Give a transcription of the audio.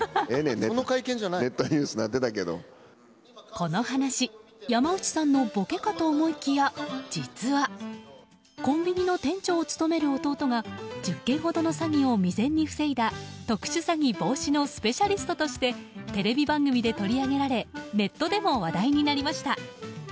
この話、山内さんのボケかと思いきや実はコンビニの店長を務める弟が１０件ほどの詐欺を未然に防いだ特殊詐欺防止のスペシャリストとしてテレビ番組で取り上げられネットでも話題になりました。